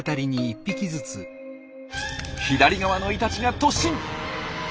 左側のイタチが突進！